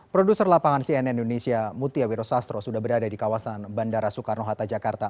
produser lapangan cnn indonesia mutia wiro sastro sudah berada di kawasan bandara soekarno hatta jakarta